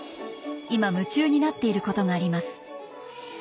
今夢中になっていることがあります